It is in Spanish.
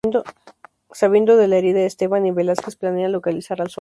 Sabiendo lo de la herida Esteban y Velásquez planean localizar al Zorro.